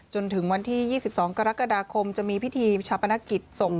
จนถึงวันที่๒๒กรกฎาคมจะมีพิธีชาปนกิจส่ง